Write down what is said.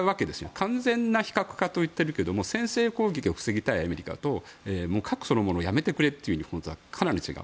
完全な非核化といっていますが先制攻撃を防ぎたいアメリカと核そのものをやめてくれと思っているとはかなり違う。